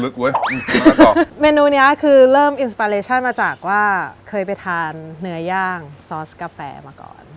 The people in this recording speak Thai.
ลึกเว้ยเมนูเนี้ยคือเริ่มมาจากว่าเคยไปทานเนื้อย่างซอสกาแฟมาก่อน